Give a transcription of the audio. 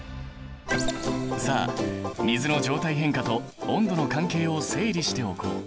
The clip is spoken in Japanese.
さあ水の状態変化と温度の関係を整理しておこう。